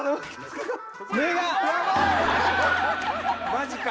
マジか！